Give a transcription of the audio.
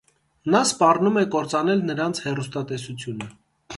Նա սպառնում է կործանել նրանց հեռուստատեսությունը։